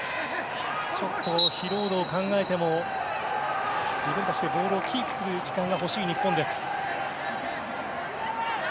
ちょっと疲労度を考えても自分たちでボールをキープする時間が欲しい日本です。